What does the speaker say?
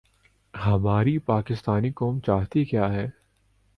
ہماری پاکستانی قوم چاہتی کیا ہے؟